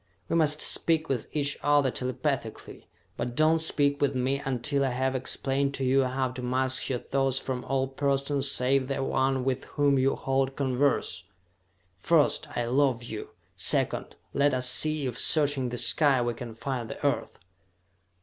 "We must speak with each other telepathically, but do not speak with me until I have explained to you how to mask your thoughts from all persons save the one with whom you hold converse! First, I love you! Second, let us see if, searching the sky, we can find the Earth!"